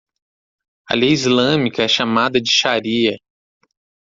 A lei islâmica é chamada de shariah.